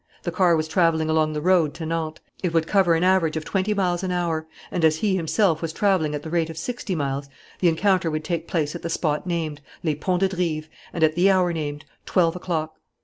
The car was travelling along the road to Nantes. It would cover an average of twenty miles an hour. And as he himself was travelling at the rate of sixty miles, the encounter would take place at the spot named, Les Ponts de Drive, and at the hour named, twelve o'clock.